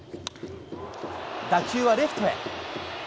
打球はレフトへ。